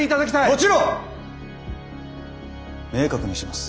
もちろん明確にします。